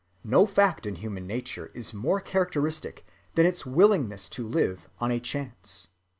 No fact in human nature is more characteristic than its willingness to live on a chance.